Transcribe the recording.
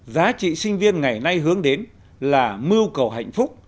giá trị sinh viên ngày nay hướng đến là mưu cầu hạnh phúc